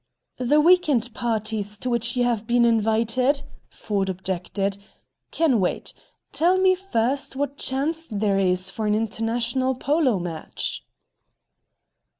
"The week end parties to which you have been invited," Ford objected, "can wait. Tell me first what chance there is for an international polo match."